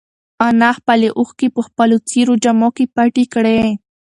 انا خپلې اوښکې په خپلو څېرو جامو کې پټې کړې.